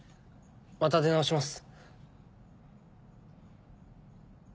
また出直します。